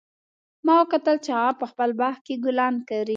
ما وکتل چې هغه په خپل باغ کې ګلان کري